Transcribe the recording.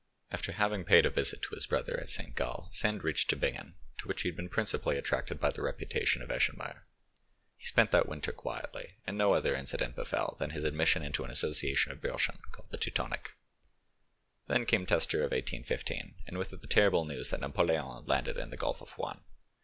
After having paid a visit to his brother at St. Gall, Sand reached Tubingen, to which he had been principally attracted by the reputation of Eschenmayer; he spent that winter quietly, and no other incident befell than his admission into an association of Burschen, called the Teutonic; then came tester of 1815, and with it the terrible news that Napoleon had landed in the Gulf of Juan.